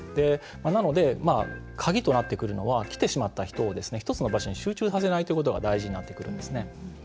なので、鍵となってくるのは来てしまった人を１つの場所に集中させないということが大事になってくるんですね。